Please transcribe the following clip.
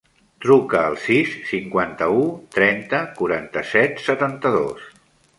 Truca al sis, cinquanta-u, trenta, quaranta-set, setanta-dos.